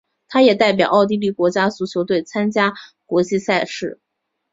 他也代表奥地利国家足球队参加国际赛事。